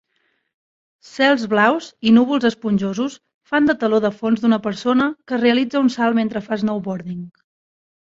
Cels blaus i núvols esponjosos fan de teló de fons d'una persona que realitza un salt mentre fa snowboarding.